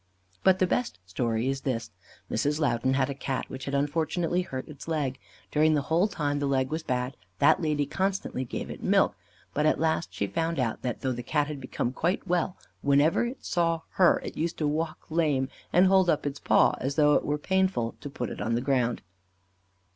But the best story is this: Mrs. Loudon had a Cat which had unfortunately hurt its leg. During the whole time the leg was bad, that lady constantly gave it milk; but, at last, she found out that, though the Cat had become quite well, yet whenever it saw her, it used to walk lame and hold up its paw, as though it were painful to put it to the ground.